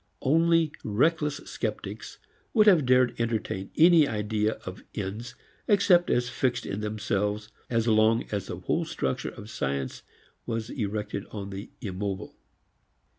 Only reckless sceptics would have dared entertain any idea of ends except as fixed in themselves as long as the whole structure of science was erected upon the immobile.